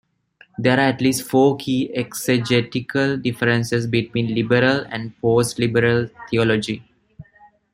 There are at least four key exegetical differences between liberal and postliberal theology.